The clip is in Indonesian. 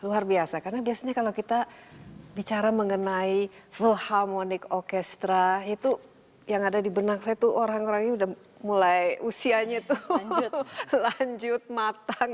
luar biasa karena biasanya kalau kita bicara mengenai philharmonic orchestra itu yang ada di benang saya itu orang orang ini sudah mulai usianya itu lanjut matang